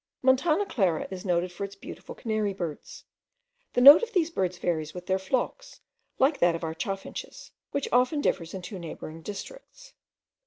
Montana Clara is noted for its beautiful canary birds. The note of these birds varies with their flocks, like that of our chaffinches, which often differs in two neighbouring districts.